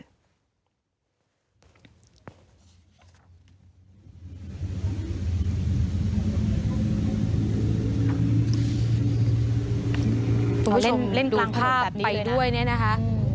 คุณผู้ชมเล่นกลางภาพไปด้วยนะคะโอ้โฮดูภาพแบบนี้เลยนะ